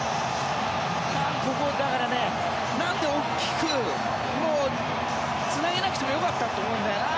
ここ、なんで大きくつなげなくてもよかったと思うんだよな。